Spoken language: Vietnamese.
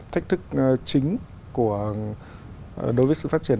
thách thức chính đối với sự phát triển